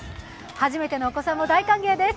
初めてのお子さんも大歓迎です。